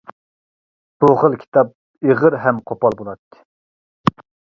بۇ خىل كىتاب ئېغىر ھەم قوپال بولاتتى.